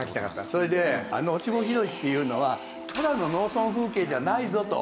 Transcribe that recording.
それであの『落ち穂拾い』っていうのはただの農村風景じゃないぞと。